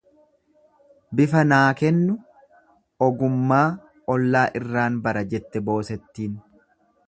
Bifa naa kennu ogummaa ollaa irraan bara jette boosettiin.